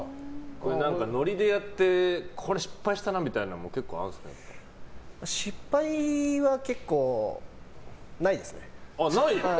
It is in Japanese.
ノリでやってこれ失敗したなみたいなのは失敗は結構ないですね。